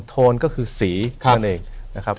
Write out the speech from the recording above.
โทนก็คือสีนั่นเองนะครับ